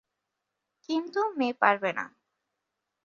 কিন্তু মেয়ে পারবে না।